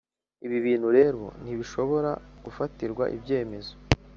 Ibi bintu rero ntibishobora gufatirwa ibyemezo